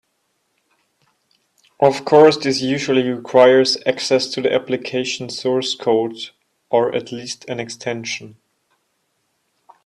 Of course, this usually requires access to the application source code (or at least an extension).